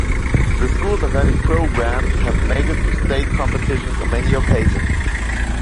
The school's athletic programs have made it to state competitions on many occasions.